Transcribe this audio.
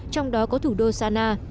trong đó có thủ đô sana